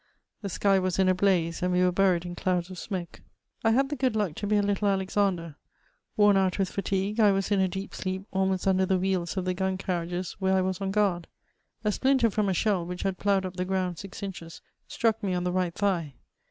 The sky was in a blaze, and we were buried in clouds of smoke. I ha[d the good luck to be a littie Alexander; worn out with fatigue, I was in a deep sleep almost under the wheels of the gun carriages where I was on guard. A splinter from a shell, which had ploughed up the ground six inches, struck me on the right thigh.